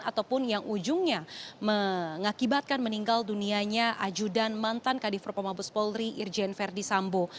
ataupun yang ujungnya mengakibatkan meninggal dunianya ajudan mantan kadifro pemabus polri irjen verdi sambo